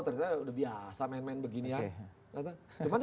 ternyata sudah biasa main main begini